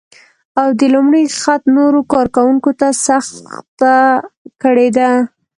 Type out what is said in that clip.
او د لومړي خط نورو کار کونکو ته سخته کړې ده